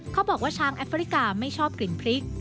เขาบอกว่าช้างแอฟริกาไม่ชอบกลิ่นพริก